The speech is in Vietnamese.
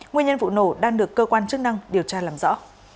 nguyên nhân vụ nổ đang được cơ quan chức năng điều tra làm rõ